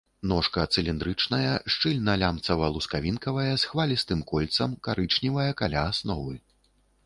Ножка цыліндрычная, шчыльна лямцава-лускавінкавая, з хвалістым кольцам, карычневая каля асновы.